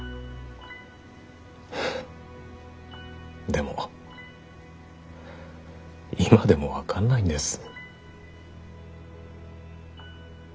でも今でも分かんないんです。